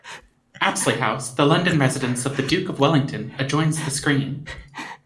Apsley House, the London residence of the Duke of Wellington, adjoins the screen.